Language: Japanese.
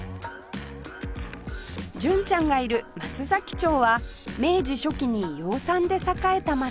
純ちゃんがいる松崎町は明治初期に養蚕で栄えた街